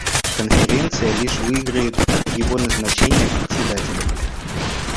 Конференция лишь выиграет от его назначения Председателем.